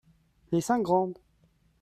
Les cinq grandes.